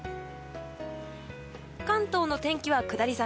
関東の天気は下り坂。